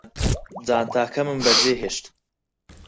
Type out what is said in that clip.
جانتاکەمم بەجێهێشت